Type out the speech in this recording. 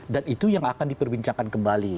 dan itu yang akan diperbincangkan kembali